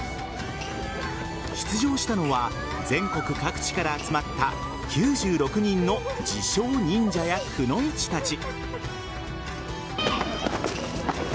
出場したのは全国各地から集まった９６人の自称・忍者やくノ一たち。